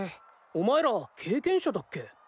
お前ら経験者だっけ？